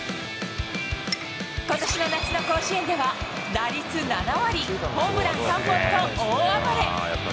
ことしの夏の甲子園では、打率７割、ホームラン３本と大暴れ。